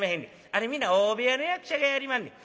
あれ皆大部屋の役者がやりまんねん。